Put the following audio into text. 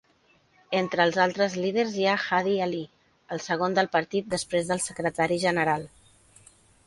Entre els altres líders hi ha Hadi Ali, el segon del partit després del secretari general.